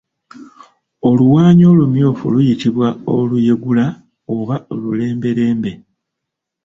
Oluwaanyi olumyufu luyitibwa oluyegula oba olulembelembe.